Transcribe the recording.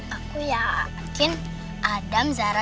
aku yakin adam zara